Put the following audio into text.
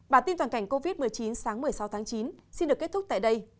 bản tin toàn cảnh covid một mươi chín sáng một mươi sáu tháng chín xin được kết thúc tại đây